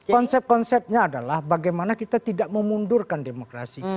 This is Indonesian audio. konsep konsepnya adalah bagaimana kita tidak memundurkan demokrasi